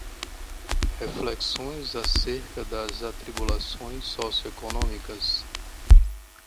Reflexões acerca das atribulações socioeconômicas